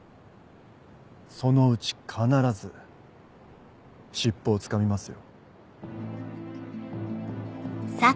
そのうち必ず尻尾をつかみますよ。